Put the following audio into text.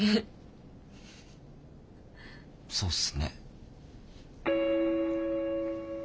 そうっすね。